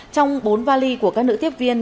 trong bốn vali của các nữ tiếp viên